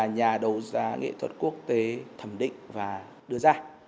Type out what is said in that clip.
nhà đấu giá nghệ thuật quốc tế thẩm định và đưa ra